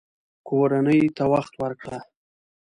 کورنۍ ته وخت ورکړه